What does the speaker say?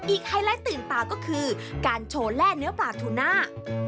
ไฮไลท์ตื่นตาก็คือการโชว์แร่เนื้อปลาทูน่า